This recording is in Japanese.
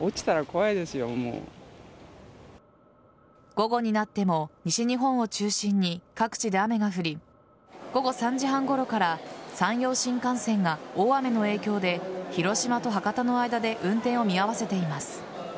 午後になっても西日本を中心に各地で雨が降り午後３時半ごろから山陽新幹線が、大雨の影響で広島と博多の間で運転を見合わせています。